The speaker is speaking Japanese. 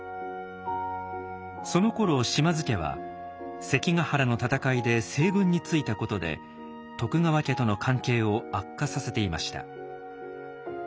そのころ島津家は関ヶ原の戦いで西軍についたことで徳川家との関係を悪化させていました。